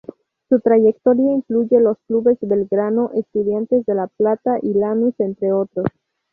Su trayectoria incluye los clubes Belgrano, Estudiantes de La Plata y Lanús, entre otros.